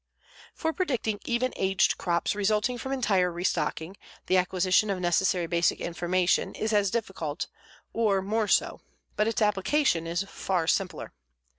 For predicting even aged crops resulting from entire restocking, the acquisition of necessary basic information is as difficult, or more so, but its application is far simpler.